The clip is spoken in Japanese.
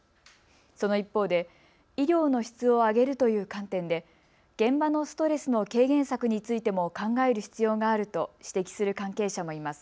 その一方で医療の質を上げるという観点で現場のストレスの軽減策についても考える必要があると指摘する関係者もいます。